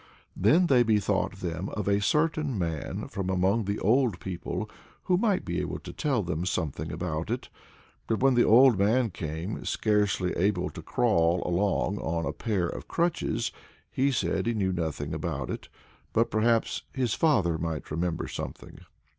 Then they bethought them of "a certain man from among the old people, who might be able to tell them something about it." But when the old man came, "scarcely able to crawl along on a pair of crutches," he said he knew nothing about it, but perhaps his father might remember something.